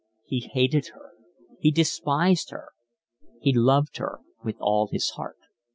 He hated her, he despised her, he loved her with all his heart.